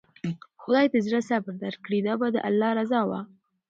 خداى د زړه صبر درکړي، دا به د الله رضا وه.